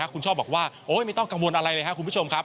คุณชอบบอกว่าไม่ต้องกังวลอะไรเลยคุณผู้ชมครับ